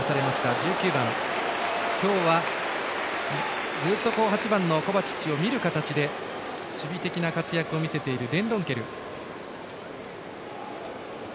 １９番、今日は、ずっと８番のコバチッチ見る形で守備的な活躍を見せているデンドンケル。